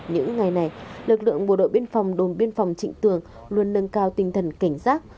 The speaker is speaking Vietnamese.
những ngày này lực lượng bộ đội biên phòng đồn biên phòng trịnh tường luôn nâng cao tinh thần cảnh giác